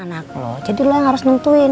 anak lo jadi lo yang harus nentuin